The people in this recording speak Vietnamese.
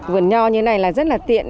vườn nho như này là rất là tiện